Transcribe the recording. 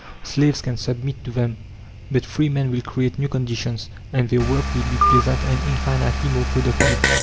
Slaves can submit to them, but free men will create new conditions, and their work will be pleasant and infinitely more productive.